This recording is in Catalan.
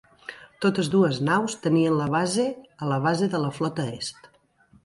Totes dues naus tenien la base a la base de la Flota Est.